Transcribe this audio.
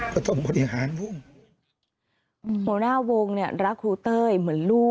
ก็ต้องบริหารวงหัวหน้าวงเนี่ยรักครูเต้ยเหมือนลูก